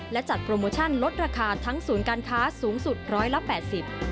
และจัดโปรโมชั่นลดราคาทั้งศูนย์การค้าสูงสุด๑๘๐